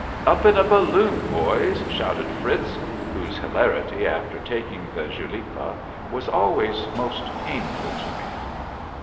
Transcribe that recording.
" Up in a balloon, boys !" shouted Fritz, whose hilarity after taking the Julepa was always most pain ful to me.